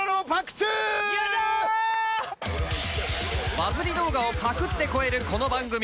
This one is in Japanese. バズり動画をパクって超えるこの番組